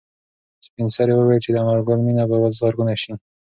سپین سرې وویل چې د انارګل مېنه به زرغونه شي.